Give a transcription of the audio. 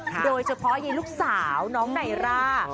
ด้วยเฉพาะไหนลูกสาวน้องนายล้า